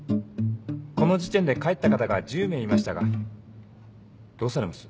この時点で帰った方が１０名いましたがどうされます？